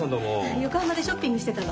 横浜でショッピングしてたの。